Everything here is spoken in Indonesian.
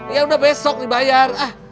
ya udah besok dibayar